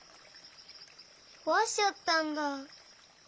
こわしちゃったんだ。